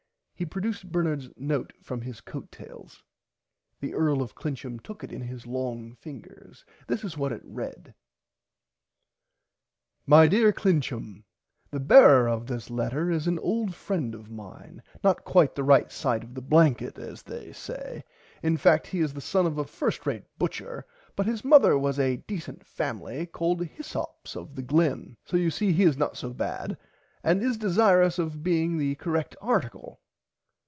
He produced Bernards note from his coat tails. The Earl of Clincham took it in his long fingers. This is what he read. [Pg 55] My dear Clincham The bearer of this letter is an old friend of mine not quite the right side of the blanket as they say in fact he is the son of a first rate butcher but his mother was a decent family called Hyssopps of the Glen so you see he is not so bad and is desireus of being the correct article.